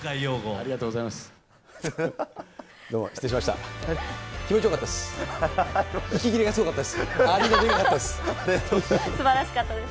ありがとうございます。